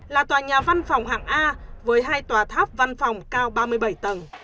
là tòa nhà văn phòng hạng a với hai tòa tháp văn phòng cao ba mươi bảy tầng